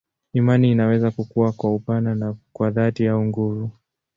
Imani inaweza kukua kwa upana na kwa dhati au nguvu.